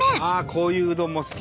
こういううどんも好き。